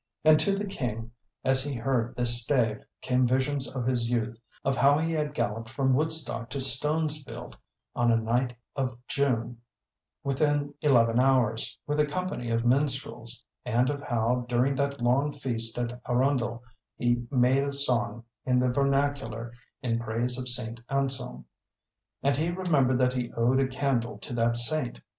And to the King, as he heard this stave, came visions of his youth; of how he had galloped from Woodstock to Stonesfield on a night of June within eleven hours, with a company of minstrels, and of how during that long feast at Arundel he made a song in the vernacular in praise of St. Anselm. And he remembered that he owed a candle to that saint.